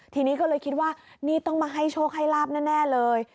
ทีนี้ก็เลยคิดว่านี่ต้องมาให้โชคให้ลาบแน่เลย